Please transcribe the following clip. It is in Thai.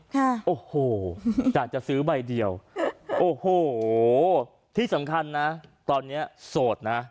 ค่ะโอ้โหอยากจะซื้อใบเดียวโอ้โหที่สำคัญนะตอนเนี้ยโสดนะ